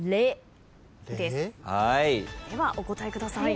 ではお答えください。